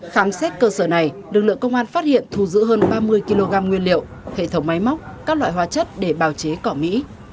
khám xét cơ sở này lực lượng công an phát hiện thu giữ hơn ba mươi kg nguyên liệu hệ thống máy móc các loại hóa chất để bào chế cỏ mỹ